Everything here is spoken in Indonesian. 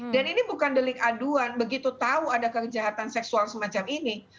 dan ini bukan delik aduan begitu tahu ada kejahatan seksual semacam ini